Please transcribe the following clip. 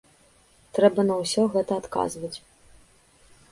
Трэба на ўсё гэта адказваць.